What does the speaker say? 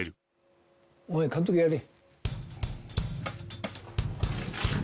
お前監督やれ。